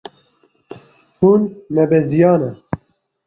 Hûn nebeziyane.